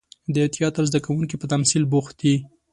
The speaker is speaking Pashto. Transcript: د تیاتر زده کوونکي په تمثیل بوخت دي.